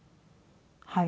はい。